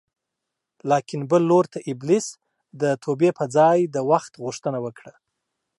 لاکن بل لور ته ابلیس د توبې په ځای د وخت غوښتنه وکړه